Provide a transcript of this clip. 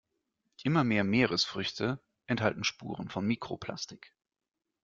Immer mehr Meeresfrüchte enthalten Spuren von Mikroplastik.